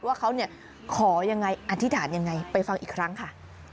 ว่าเขาเนี่ยขอยังไงอธิษฐานยังไงไปฟังอีกครั้งค่ะ